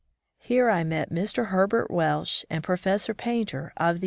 Here I met Mr. Herbert Welsh and Professor Painter of the.